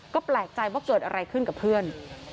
ก็แปลกใจว่าเกิดอะไรขึ้นกับเพื่อน